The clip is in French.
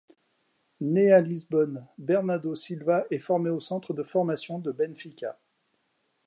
Né à Lisbonne, Bernardo Silva est formé au centre de formation de Benfica.